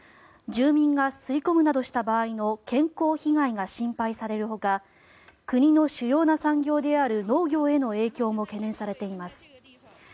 住民が吸い込むなどした場合の健康被害が心配されるほか国の主要な産業である農業への影響も懸念されています。